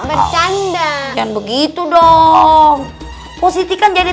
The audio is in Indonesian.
bercanda dan begitu dong positi kan jadi